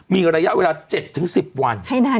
มีระยะเวลา๗๑๐วัน